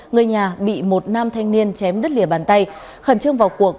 người nhà bị một nam thanh niên chém đứt lìa bàn tay khẩn trương vào cuộc